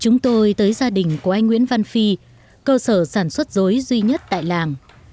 chúng tôi tới gia đình của anh nguyễn văn phi cơ sở sản xuất dối duy nhất tại làng